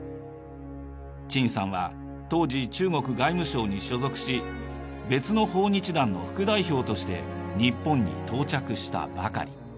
陳さんは当時中国外務省に所属し別の訪日団の副代表として日本に到着したばかり。